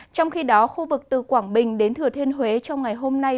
trong khi đó khu vực từ quảng bình đến thừa thiên huế trong ngày hôm nay